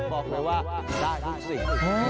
บอกเลยว่าได้ทุกสิ่ง